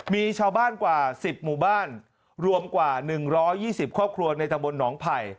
มีชาวบ้านกว่า๑๐หมู่บ้านรวมกว่า๑๒๐ครอบครัวในตะบนหนองไผ่